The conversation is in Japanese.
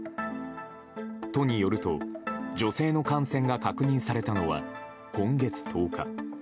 都によると、女性の感染が確認されたのは今月１０日。